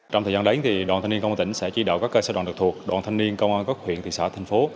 trong thời gian đến đoàn thanh niên công an tỉnh sẽ chỉ đạo các cơ sở đoàn đặc thuộc đoàn thanh niên công an các huyện thị xã thành phố